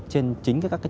trên chính các trang gov